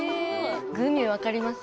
グミ分かります。